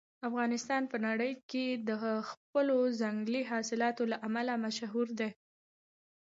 افغانستان په نړۍ کې د خپلو ځنګلي حاصلاتو له امله مشهور دی.